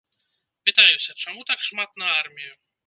Пытаюся, чаму так шмат на армію?